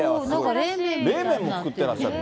冷麺も作ってらっしゃるの？